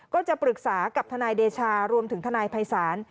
ก็จะปรึกษากับทนายเดชารวมถึงทนายภัยศาล